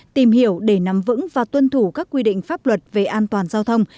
tìm hiểu để nắm vững và tuân thủ các quy định pháp luật về an toàn giao thông